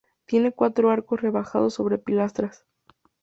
Tiene cuatro arcos rebajados sobre pilastras.